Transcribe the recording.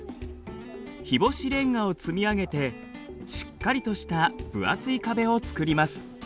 日干しレンガを積み上げてしっかりとした分厚い壁を作ります。